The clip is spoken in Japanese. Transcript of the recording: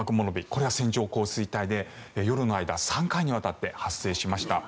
これが線状降水帯で夜の間３回にわたって発生しました。